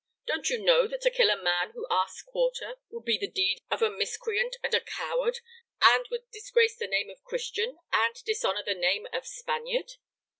Don't you know that to kill a man who asks quarter would be the deed of a miscreant and a coward, and would disgrace the name of Christian and dishonor the name of Spaniard?